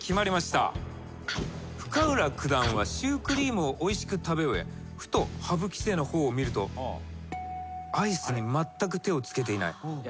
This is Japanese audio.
深浦九段はシュークリームをおいしく食べ終えふと羽生棋聖の方を見るとアイスにまったく手を付けていない。